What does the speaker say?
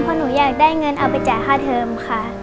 เพราะหนูอยากได้เงินเอาไปจ่ายค่าเทิมค่ะ